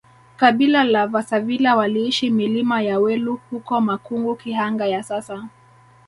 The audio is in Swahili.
kabila la vasavila waliishi milima ya welu huko Makungu Kihanga ya sasa